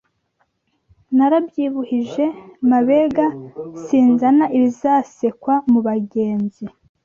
Narabyibuhije Mabega sinzana ibizasekwa mu bagenzi